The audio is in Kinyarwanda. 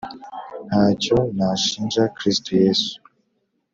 ntacyo nashinje kristo yesu